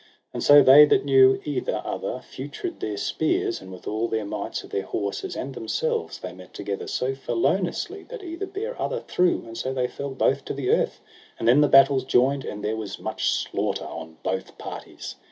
And so they that knew either other feutred their spears, and with all their mights of their horses and themselves, they met together so felonously that either bare other through, and so they fell both to the earth; and then the battles joined, and there was much slaughter on both parties.